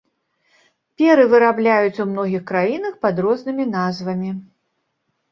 Перы вырабляюць ў многіх краінах пад рознымі назвамі.